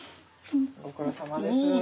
ご苦労さまです。